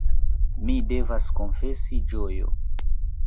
Mi devas konfesi Ĝojo.